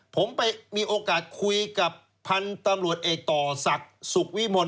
ผมไปมีโอกาสคุยกับพันธุ์ตำรวจเอกต่อศักดิ์สุขวิมล